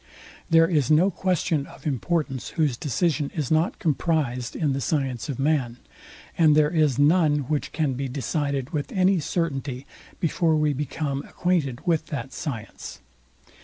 There is no question of importance, whose decision is not comprised in the science of man; and there is none, which can be decided with any certainty, before we become acquainted with that science.